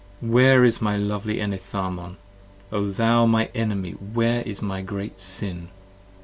Where is my lovely Enitharmon, thou my enemy, where is my Great Sin?